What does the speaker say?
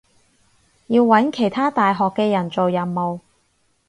要搵其他大學嘅人做任務